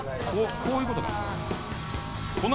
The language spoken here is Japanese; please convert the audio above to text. こういうことか。